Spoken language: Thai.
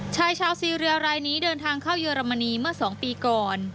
ชายชาวซีเรียรายนี้เดินทางเข้าเยอรมนีเมื่อ๒ปีก่อน